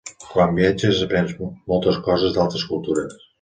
Quan viatges aprens moltes coses d'altres cultures.